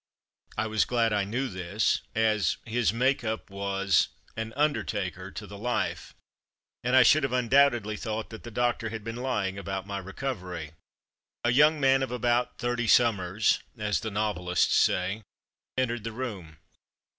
I was glad I knew this, as his ''make up^' was "an under taker'' to the life, and I should have un doubtedly thought that the doctor had been lying about my recovery. A young man of about thirty summers (as the novelists say) entered the room.